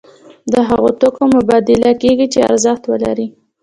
د هغو توکو مبادله کیږي چې ارزښت ولري.